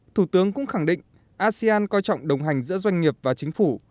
thủ tướng cũng khẳng định asean coi trọng đồng hành giữa doanh nghiệp và chính phủ